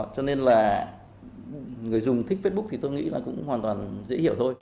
cho nên là người dùng thích facebook thì tôi nghĩ là cũng hoàn toàn dễ hiểu thôi